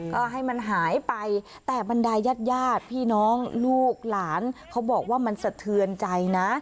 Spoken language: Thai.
ก็ให้มันหายไปแต่บรรดายญาติญาติพี่น้องลูกหลานเขาบอกว่ามันสะเทือนใจนะ